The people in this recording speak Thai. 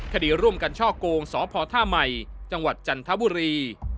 คดีร่วมกันช่อโกงสพท่าใหม่จังหวัดจันทบุรี